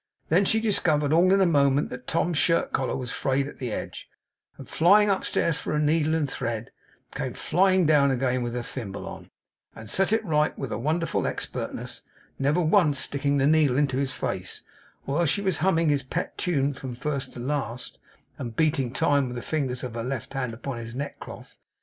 Then she discovered, all in a moment, that Tom's shirt collar was frayed at the edge; and flying upstairs for a needle and thread, came flying down again with her thimble on, and set it right with wonderful expertness; never once sticking the needle into his face, although she was humming his pet tune from first to last, and beating time with the fingers of her left hand upon his neckcloth.